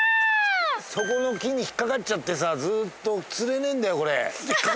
そこの木に引っ掛かっちゃってさぁずっと釣れねえんだよこれ。